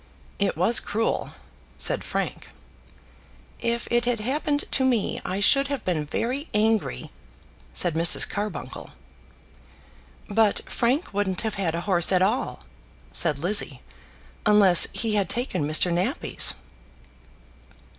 "It was cruel," said Frank. "If it had happened to me, I should have been very angry," said Mrs. Carbuncle. "But Frank wouldn't have had a horse at all," said Lizzie, "unless he had taken Mr. Nappie's."